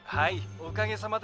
おかげさまで」。